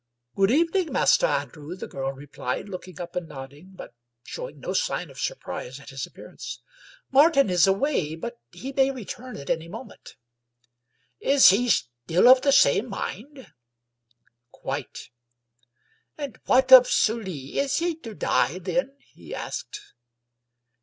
" Good evening, Master Andrew," the girl replied, look ing up and nodding, but showing no sign of surprise at his appearance. " Martin is away, but he may return at any moment." " Is he still of the same mind ?"»" Quite." " And what of Sully? Is he to die then? " he asked.